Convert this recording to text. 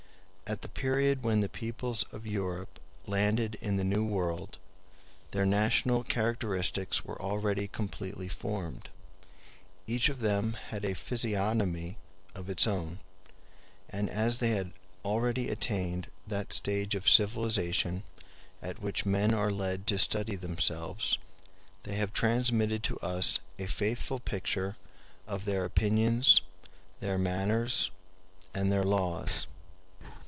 At the period when the peoples of Europe landed in the New World their national characteristics were already completely formed; each of them had a physiognomy of its own; and as they had already attained that stage of civilization at which men are led to study themselves, they have transmitted to us a faithful picture of their opinions, their manners, and their laws.